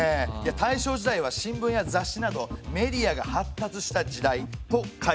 大正時代は新聞や雑誌などメディアが発達した時代と書いてありますね。